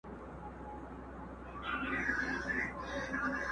سیند بهیږي غاړي غاړي د زلمیو مستي غواړي!